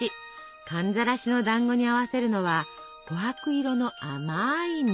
寒ざらしのだんごに合わせるのはこはく色の甘い蜜。